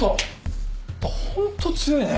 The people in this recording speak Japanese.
ホント強いね。